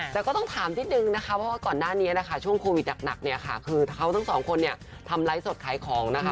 แต่ก็ต้องถามนิดนึงนะคะเพราะว่าก่อนหน้านี้นะคะช่วงโควิดหนักเนี่ยค่ะคือเขาทั้งสองคนเนี่ยทำไลฟ์สดขายของนะคะ